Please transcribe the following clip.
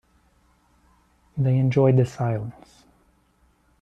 They enjoyed the silence.